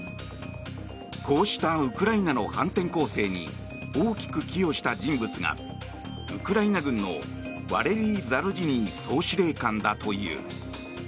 こうしたウクライナの反転攻勢に大きく寄与した人物がウクライナ軍のワレリー・ザルジニー総司令官だという。